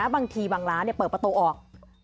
บางทีบางร้านเปิดประตูออก